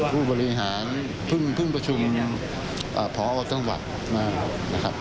ผู้บริหารพึ่งประชุมพอต้องหวัดมา